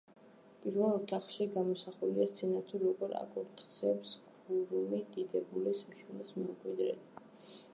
პირველ ოთახში გამოსახულია სცენა, თუ როგორ აკურთხებს ქურუმი დიდებულის შვილს მემკვიდრედ.